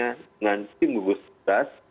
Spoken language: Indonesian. dengan tim buku stres